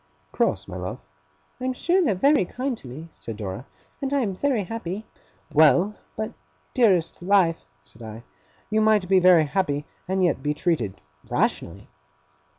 'Cross, my love?' 'I am sure they're very kind to me,' said Dora, 'and I am very happy ' 'Well! But my dearest life!' said I, 'you might be very happy, and yet be treated rationally.